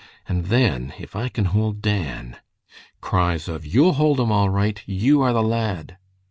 And then, if I can hold Dan " Cries of "You'll hold him all right!" "You are the lad!"